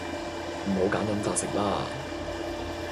唔好㨂飲擇食啦